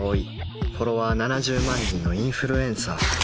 フォロワー７０万人のインフルエンサー